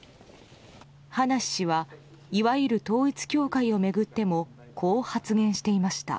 葉梨氏はいわゆる統一教会を巡ってもこう発言していました。